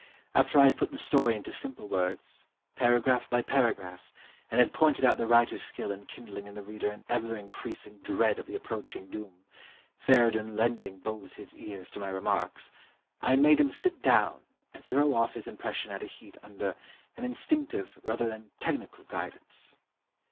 After I had put the story into simple words, para graph by paragraph, and had pointed out the writer's skill in kindling in the reader an ever increasing dread of the approaching doom, Feridun lending both his ears to my remarks, I made him sit down and throw off his impression at a heat under " an instinctive rather than technical guidance."